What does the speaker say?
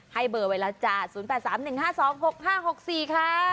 ให้เบอร์ไว้แล้วจ้า๐๘๓๑๕๒๖๕๖๔ค่ะ